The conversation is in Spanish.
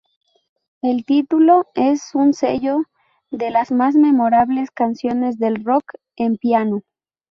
El título es un sello de las más memorables canciones del rock en piano.